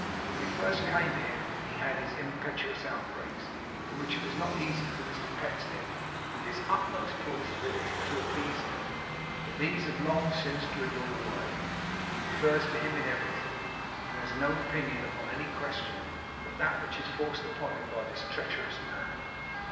When we first came here he had his impetuous outbreaks, in which it was not easy for Mr Pecksniff with his utmost plausibility to appease him. But these have long since dwindled away. He defers to him in everything, and has no opinion upon any question, but that which is forced upon him by this treacherous man.